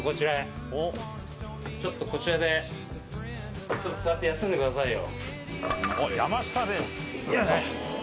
ちょっとこちらで座って休んでくださいよ。